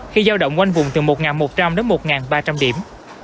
khi giao động quanh vùng từ một một trăm linh đến một ba trăm linh điểm